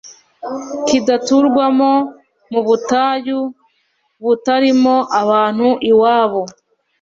Kidaturwamo mu butayu butarimo abantu iwabo